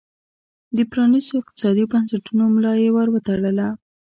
د پرانیستو اقتصادي بنسټونو ملا یې ور وتړله.